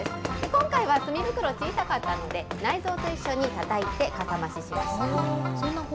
今回は墨袋、小さかったんで、内臓と一緒にたたいてかさ増ししました。